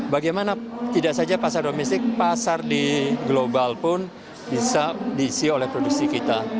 bagaimana tidak saja pasar domestik pasar di global pun bisa diisi oleh produksi kita